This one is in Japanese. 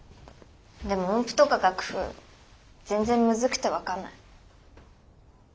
でも音符とか楽譜全然むずくて分かんない。